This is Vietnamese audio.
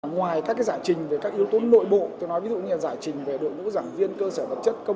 ngoài các giải trình về các yếu tố nội bộ tôi nói ví dụ như giải trình về đội ngũ giảng viên cơ sở vật chất